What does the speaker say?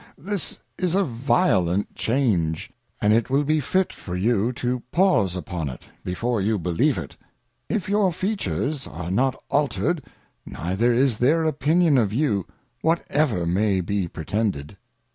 This is a violent change, and it will be fit for you to pause upon it, before you believe it : If your Features are not altered, neither is their Opinion of you, what ever may be pre tended.